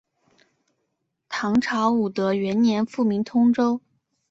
唐朝武德元年复名通州。